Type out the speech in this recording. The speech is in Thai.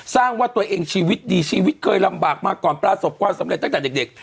ว่าตัวเองชีวิตดีชีวิตเคยลำบากมาก่อนประสบความสำเร็จตั้งแต่เด็ก